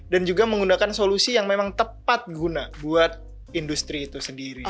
dan juga menggunakan solusi yang memang tepat guna buat industri itu sendiri